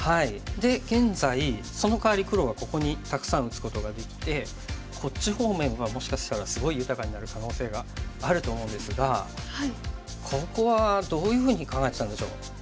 で現在そのかわり黒がここにたくさん打つことができてこっち方面はもしかしたらすごい豊かになる可能性があると思うんですがここはどういうふうに考えてたんでしょう？